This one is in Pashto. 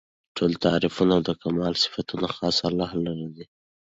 ټول تعريفونه او د کمال صفتونه خاص هغه الله لره دي